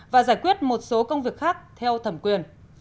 và giải quyết một số công việc khác theo thẩm quyền